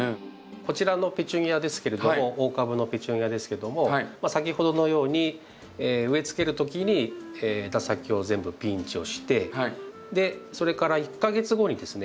こちらのペチュニアですけれども大株のペチュニアですけども先ほどのように植えつける時に枝先を全部ピンチをしてそれから１か月後にですね